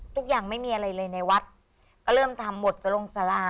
ทุกอย่างไม่มีอะไรเลยในวัดก็เริ่มทำหมดจะลงสารา